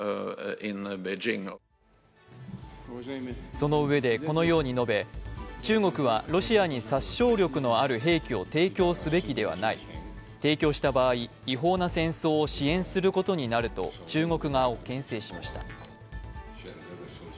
そのうえでこのように述べ、中国はロシアに殺傷力のある兵器を提供すべきではない、提供した場合、違法な戦争を支援することになると、中国側をけん制しました。